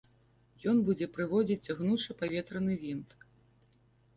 Ён будзе прыводзіць цягнучы паветраны вінт.